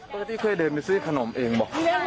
พ่อแม่ที่เคยเดินไปซื้อขนมเองบ่